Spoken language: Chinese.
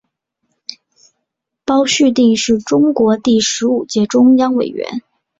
包叙定是中共第十五届中央委员。